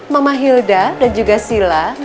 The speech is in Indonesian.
mama hilda dan juga sila